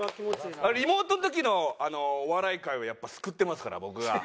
リモートの時のお笑い界をやっぱ救ってますから僕が。